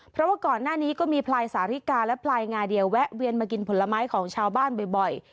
เพราะว่าก่อนหน้านี้ก็มีพลายสาริกาและพลายงาเดียวแวะเวียนมากินผลไม้ของชาวบ้านบ่อย